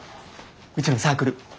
うちのサークル。